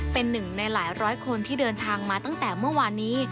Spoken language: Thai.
เป็นหนึ่งในหลายร้อยคนที่เดินทางมาตั้งแต่เมื่อวานนี้